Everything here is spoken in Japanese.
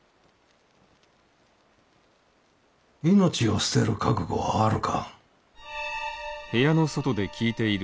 命を捨てる覚悟はあるか？